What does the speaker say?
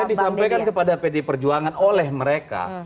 ya disampaikan kepada pdi perjuangan oleh mereka